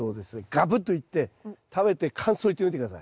ガブッといって食べて感想を言ってみて下さい。